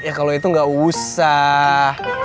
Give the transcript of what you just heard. ya kalau itu nggak usah